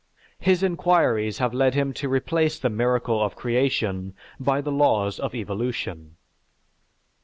His inquiries have led him to replace the miracle of creation by the laws of evolution.